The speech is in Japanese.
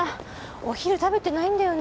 お昼食べてないんだよね。